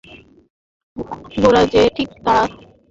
গোরা যে ঠিক তাড়া লাগাইয়াছিল তাহা তো বলা যায় না।